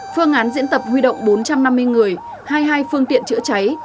phương án diễn tập huy động bốn trăm năm mươi người hai mươi hai phương tiện chữa cháy